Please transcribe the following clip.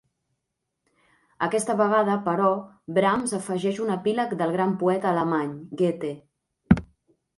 Aquesta vegada, però, Brahms afegeix un epíleg del gran poeta alemany, Goethe.